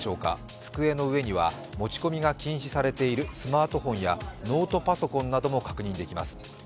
机の上には持ち込みが禁止されているスマートフォンやノートパソコンなども確認できます。